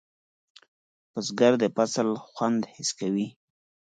بزګر د فصل خوند حس کوي